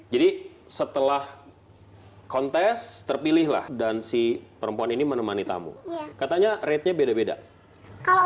jadi setelah kontes terpilih lah dan si perempuan ini menemani tamu katanya ratenya beda beda kalau